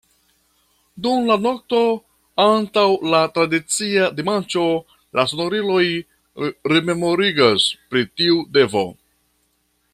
Dum la nokto antaŭ la tradicia dimanĉo, la sonoriloj rememorigas pri tiu devo.